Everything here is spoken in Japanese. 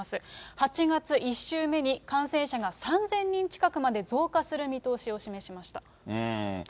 ８月１週目に感染者が３０００人近くまで増加する見通しを示しました。